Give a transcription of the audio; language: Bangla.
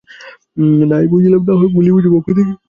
না-ই বুঝিলাম, নাহয় ভুলই বুঝিব, ক্ষতি কী।